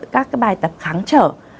các bài tập kháng trở